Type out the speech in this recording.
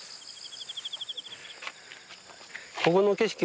ここの景色